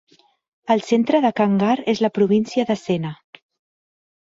El centre de Kangar és la província de Sena.